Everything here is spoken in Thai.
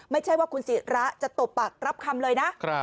ไม่ใช่ว่าคุณศิระจะตบปากรับคำเลยนะ